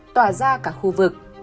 đường dây điện kế hàng rào